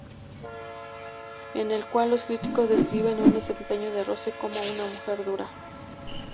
En el cual los críticos describen el desempeño de Rose como "una mujer dura".